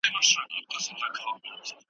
ده د پښتو ادبي مکتب بنسټ کېښود